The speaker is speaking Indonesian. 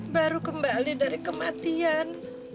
baru kembali dari kematian